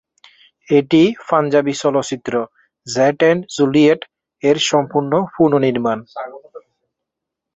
এটি পাঞ্জাবি চলচ্চিত্র "জেট এন্ড জুলিয়েট"-এর সম্পূর্ণ পুনঃনির্মাণ।